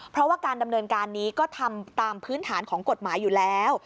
เพราะว่าการดำเนินการนี้ก็ทำตามพื้นฐานของกฎหมายอยู่แล้ว